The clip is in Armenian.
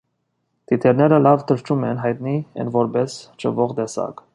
Թիթեռները լավ թռչում են. հայտնի են որպես չվող տեսակ։